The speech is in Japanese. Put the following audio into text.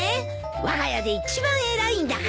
わが家で一番偉いんだから。